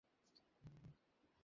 উনি দূর্ঘটনায় মারা গেছেন।